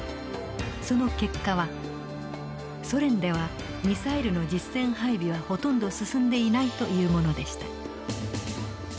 その結果はソ連ではミサイルの実戦配備はほとんど進んでいないというものでした。